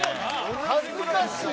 恥ずかしい。